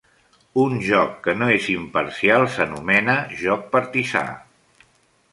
Un joc que no es imparcial s'anomena joc partisà.